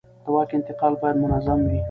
د واک انتقال باید منظم وي